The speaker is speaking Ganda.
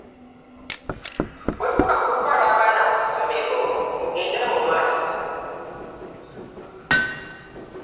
Bwe kuba kutwala baana ku ssomero mugende mu maaso.